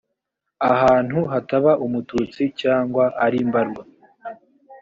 ahantu hataba umututsi cyangwa ari mbarwa